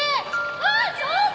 わあ上手！